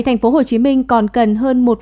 thành phố hồ chí minh còn cần hơn